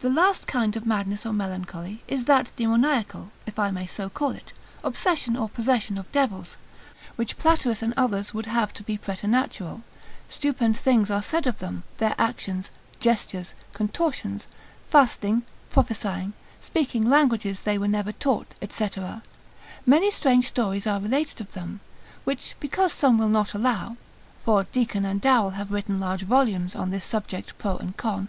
The last kind of madness or melancholy, is that demoniacal (if I may so call it) obsession or possession of devils, which Platerus and others would have to be preternatural: stupend things are said of them, their actions, gestures, contortions, fasting, prophesying, speaking languages they were never taught, &c. Many strange stories are related of them, which because some will not allow, (for Deacon and Darrel have written large volumes on this subject pro and con.)